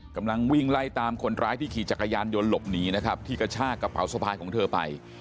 กำลังวิ่งไล่ตามคนร้ายที่ขี่จักรยานยนต์หลบหนีนะครับที่กระชากระเป๋าสะพายของเธอไป